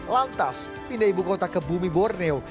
lantas pindah ibu kota ke bumi borneo